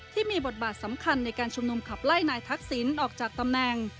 ที่มีบทบาทสำคัญในการชุมนุมขับไล่นายทักษิณออกจากตำแหน่ง